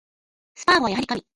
スパーゴはやはり神